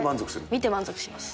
見て満足します。